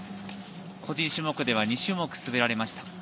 個人種目では２種目、滑られました。